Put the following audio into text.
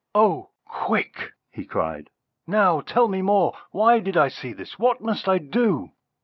"Oh, quick!" he cried, "now tell me more. Why did I see this? What must I do?"